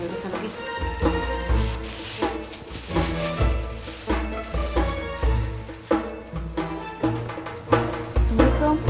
ya ini satu itu